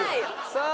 さあ